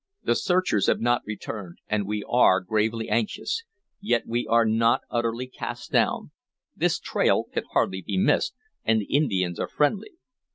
The searchers have not returned, and we are gravely anxious. Yet we are not utterly cast down. This trail can hardly be missed, and the Indians are friendly.